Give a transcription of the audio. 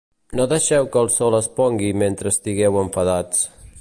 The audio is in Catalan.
No deixeu que el sol es pongui mentre estigueu enfadats.